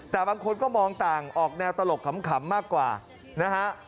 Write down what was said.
แต่บางคนก็มองต่างออกแนวตลกขำมากกว่านะฮะ